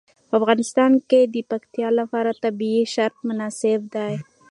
په افغانستان کې د پکتیکا لپاره طبیعي شرایط مناسب دي.